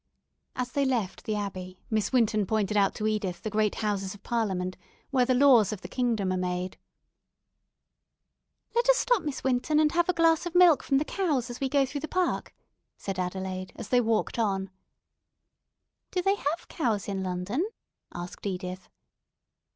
As they left the Abbey, Miss Winton pointed out to Edith the great Houses of Parliament, where the laws of the kingdom are made. "Let us stop, Miss Winton, and have a glass of milk from the cows as we go through the park," said Adelaide, as they walked on. "Do they have cows in London?" asked Edith.